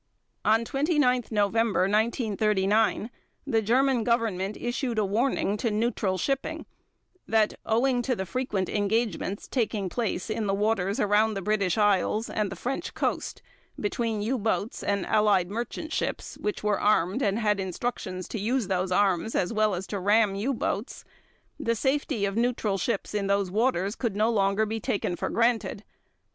On 24 November 1939 the German Government issued a warning to neutral shipping that, owing to the frequent engagements taking place in the waters around the British Isles and the French Coast between U boats and Allied merchant ships which were armed and had instructions to use those arms as well as to ram U boats, the safety of neutral ships in those waters could no longer be taken for granted.